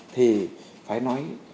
thì phải nói